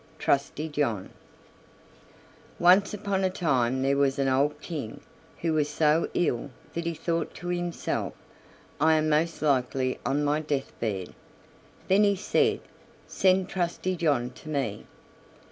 TRUSTY JOHN Once upon a time there was an old king who was so ill that he thought to himself, "I am most likely on my death bed." Then he said, "Send Trusty John to me."